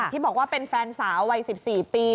ที่บอกว่าเป็นแฟนสาววัย๑๔ปี